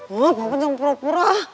mama papa jangan pura pura